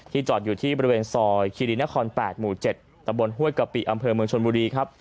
จอดอยู่ที่บริเวณซอยคิรินคร๘หมู่๗ตะบนห้วยกะปิอำเภอเมืองชนบุรีครับ